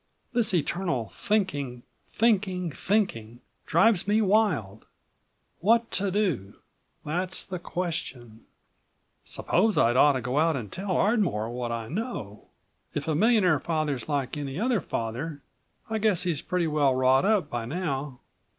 This eternal thinking—thinking—thinking, drives me wild. What to do, that's the question. Suppose I'd ought to go out and tell Ardmore what I know. If a millionaire father's like any other father, I guess he's pretty well wrought up by now.